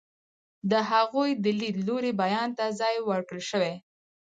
د هغوی د لیدلوري بیان ته ځای ورکړل شوی.